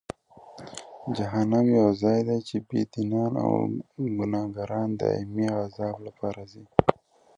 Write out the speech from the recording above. جهنم یو ځای دی چې بېدینان او ګناهکاران د دایمي عذاب لپاره ځي.